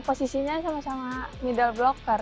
posisinya sama sama middle blocker